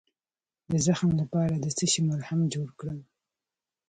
د زخم لپاره د څه شي ملهم جوړ کړم؟